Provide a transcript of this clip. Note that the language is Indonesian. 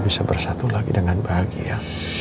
bisa bersatu lagi dengan bahagia